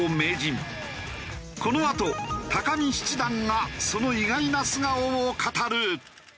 このあと見七段がその意外な素顔を語る！